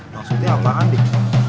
maksudnya apaan dik